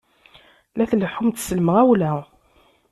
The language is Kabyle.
La tleḥḥumt s lemɣawla!